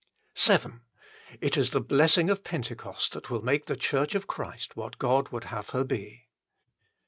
VII It is the blessing of Pentecost that will make the Church of Christ what God would have her ~be.